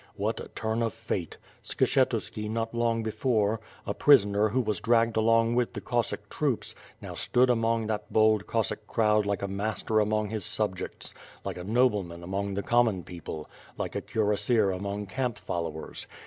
What a turn of fate! Skshetu WITH FIRE AND SWORD. 189 ski, not long before, a prisoner who was dragged along with the Cossack troops, now stood among that bold Cossack crowd like a master aniong his subjects; like a nobleman among the common people; like a Cuirassier among camp followers.